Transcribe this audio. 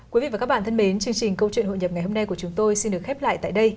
quý vị và các bạn thân mến chương trình câu chuyện hội nhập ngày hôm nay của chúng tôi xin được khép lại tại đây